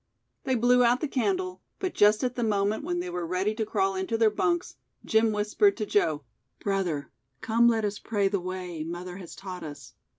They blew out the candle, but just at the moment when they were ready to crawl into their bunks, Jim whispered to Joe: "Brother, come let us pray the way, mother has taught us."